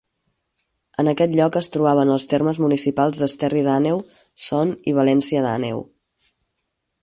En aquest lloc es trobaven els termes municipals d'Esterri d'Àneu, Son i València d'Àneu.